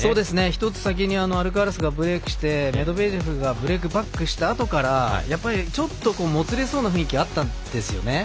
１つ先にアルカラスがブレークしてメドベージェフがブレークバックしたあとからちょっと、もつれそうな雰囲気あったんですよね。